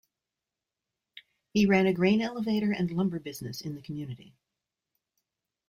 He ran a grain elevator and lumber business in the community.